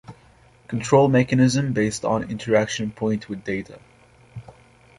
Control mechanism based on interaction point with data.